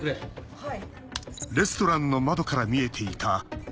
はい。